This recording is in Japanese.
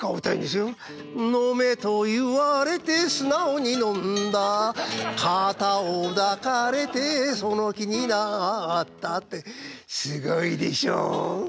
「飲めと言われて素直に飲んだ肩を抱かれてその気になった」ってすごいでしょう？